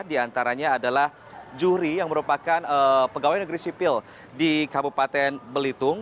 di antaranya adalah juhri yang merupakan pegawai negeri sipil di kabupaten belitung